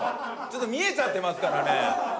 ちょっと見えちゃってますからね。